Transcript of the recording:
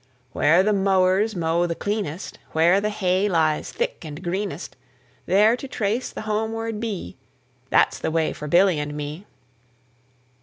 Where the mowers mow the cleanest, Where the hay lies thick and greenest, There to trace the homeward bee, That's the way for Billy and me.